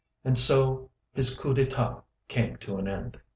And so his coup d'etat came to an end.